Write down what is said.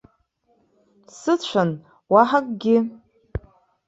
Сыцәан, уаҳа акгьы.